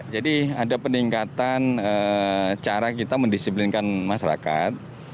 jadi ada peningkatan cara kita mendisiplinkan masyarakat